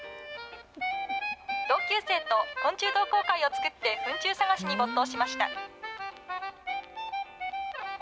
同級生と昆虫同好会を作って、フン虫探しに没頭しました。